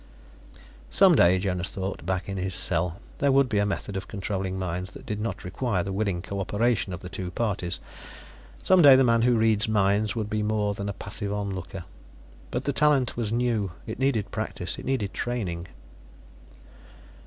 Some day, Jonas thought, back in his cell, there would be a method of controlling minds that did not require the willing co operation of the two parties. Some day the man who reads minds would be more than a passive onlooker. But the talent was new; it needed practice, it needed training.